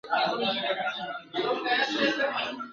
چي هر څو یې هېرومه نه هیریږي ..